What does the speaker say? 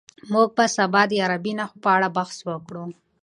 موږ به سبا د عربي نښو په اړه بحث وکړو.